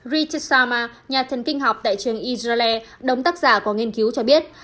richard salma nhà thân kinh học tại trường israel đống tác giả của nghiên cứu cho biết